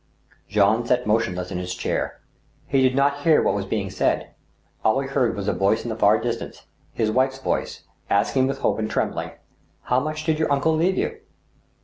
Jean sat motionless in his chair. He did not hear what was being said. All he heard was a voice in the far distance — ^his wife's voice, asking with hope and trembling :" How much did your uncle leave you